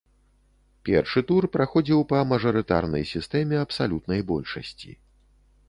Першы тур праходзіў па мажарытарнай сістэме абсалютнай большасці.